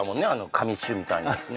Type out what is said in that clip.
噛み酒みたいなやつね